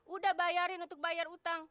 udah bayarin untuk bayar utang